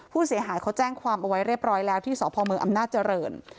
ผู้เสียหายเขาแจ้งความเอาไว้เรียบร้อยแล้วที่สพเมืองอำนาจเจริญ